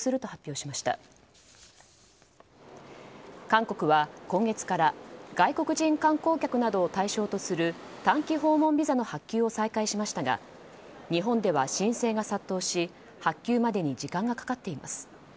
韓国は今月から外国人観光客などを対象とする短期訪問ビザの発給を再開しましたが日本では申請が殺到し発給までに時間がかかっています。